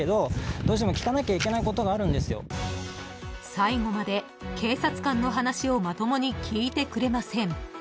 ［最後まで警察官の話をまともに聞いてくれません］